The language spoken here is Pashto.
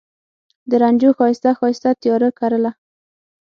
د رنجو ښایسته، ښایسته تیاره کرله